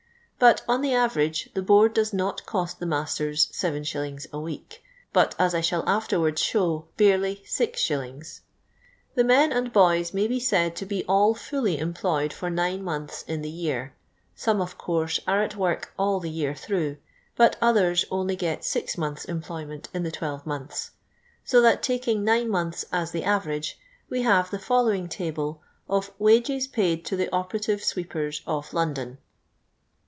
But, on the iiTeng?, tfat board does not cost'the masters 7^. a week^bat, as I akill afterwaxdi show, barely 6*. The nten and boyi may be said to be all fully i^mplnycd fof nine mmiittis in the yearj; some, of course, are at work all the year through, but others get only six months' employment in the twelve mouths ; so that taking nine months as the average, we have the following table of WAGES P.\ID TO THE OPERATIVE SWEEPERS OF LONDON.